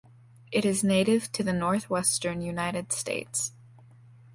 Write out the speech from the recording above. It is native to the northwestern United States.